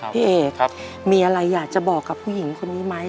พี่เอกมีอะไรอยากจะบอกกับผู้หญิงคนนี้ไหม